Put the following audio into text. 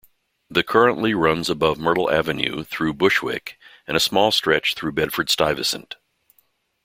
The currently runs above Myrtle Avenue through Bushwick and a small stretch through Bedford-Stuyvesant.